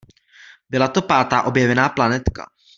Byla to pátá objevená planetka.